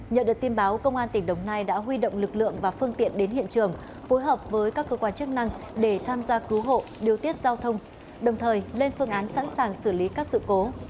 nhờ được tin báo công an tỉnh đồng nai đã huy động lực lượng và phương tiện đến hiện trường phối hợp với các cơ quan chức năng để tham gia cứu hộ điều tiết giao thông đồng thời lên phương án sẵn sàng xử lý các sự cố